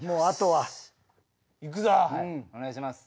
はいお願いします。